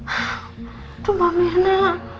aduh mbak mirna